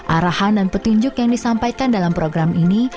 arahan dan petunjuk yang disampaikan dalam program ini